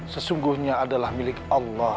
sesungguhnya adalah milik allah